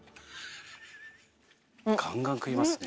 ガンガン食いますね。